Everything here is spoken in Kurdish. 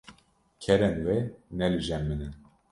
kerên we ne li cem min in.